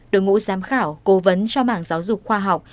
đội ngũ giám khảo cố vấn cho mảng giáo dục khoa học